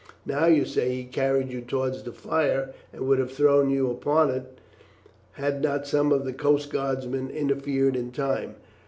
Now you say he carried you towards the fire, and would have thrown you upon it had not some of the coast guardsmen interfered in time.